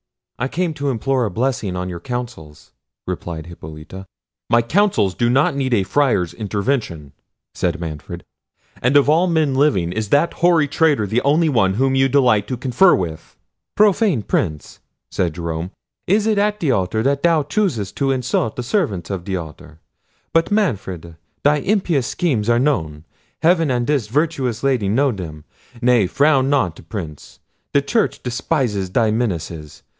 "I came to implore a blessing on your councils," replied Hippolita. "My councils do not need a Friar's intervention," said Manfred; "and of all men living is that hoary traitor the only one whom you delight to confer with?" "Profane Prince!" said Jerome; "is it at the altar that thou choosest to insult the servants of the altar?—but, Manfred, thy impious schemes are known. Heaven and this virtuous lady know them—nay, frown not, Prince. The Church despises thy menaces.